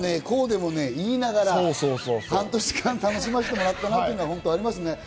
こうでもねえ言いながら半年間楽しましてもらったなというのはありますね。